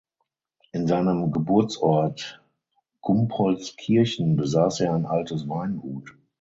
In seinem Geburtsort Gumpoldskirchen besaß er ein altes Weingut.